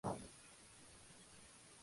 Está todo bien indicado.